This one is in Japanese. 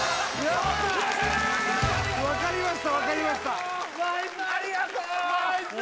分かりました分かりましたナイス！